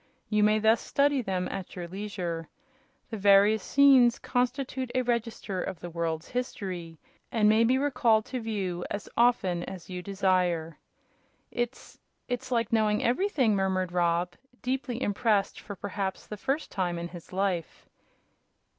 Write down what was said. You may thus study them at your leisure. The various scenes constitute a register of the world's history, and may be recalled to view as often as you desire." "It's it's like knowing everything," murmured Rob, deeply impressed for perhaps the first time in his life.